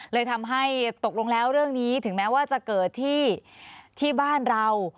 เลยทำให้ตกลงแล้วเรื่องนี้ถึงแม้ว่าจะเกิดที่บ้านเรา